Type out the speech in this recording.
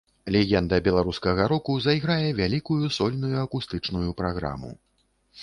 Легенда беларускага року зайграе вялікую сольную акустычную праграму.